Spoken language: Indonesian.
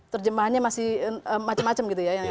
terjemahannya masih macam macam gitu ya